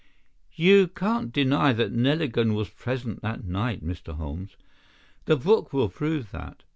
"You can't deny that Neligan was present that night, Mr. Holmes. The book will prove that.